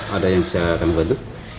ada yang bisa kami bantu